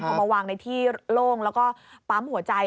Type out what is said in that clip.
เอามาวางในที่โล่งแล้วก็ปั๊มหัวใจ